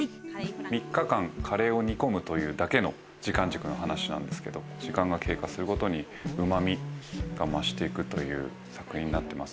３日間、カレーを煮込むというだけの時間軸の話なんですけど、時間が経過するごとに、うまみが増していくという作品になってます。